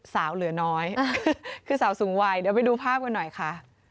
เหลือน้อยคือสาวสูงวัยเดี๋ยวไปดูภาพกันหน่อยค่ะ